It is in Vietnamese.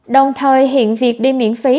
đồng thời hiện việc đi miễn phí